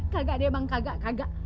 kagak deh bang kagak kagak